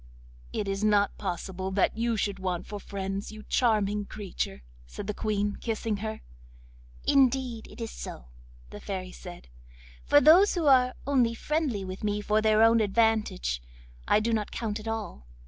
'It is not possible that you should want for friends, you charming creature,' said the Queen, kissing her. 'Indeed it is so,' the Fairy said. 'For those who are only friendly with me for their own advantage, I do not count at all.